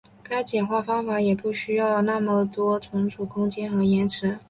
该简化方法也不需要那么多存储空间和延迟。